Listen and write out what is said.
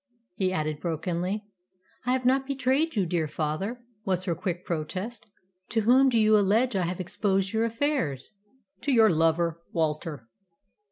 he added brokenly. "I have not betrayed you, dear father," was her quick protest. "To whom do you allege I have exposed your affairs?" "To your lover, Walter."